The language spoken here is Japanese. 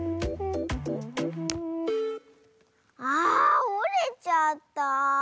あおれちゃった。